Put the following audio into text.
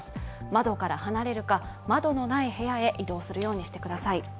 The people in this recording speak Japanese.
窓から離れるか窓のない部屋へ移動するようにしてください。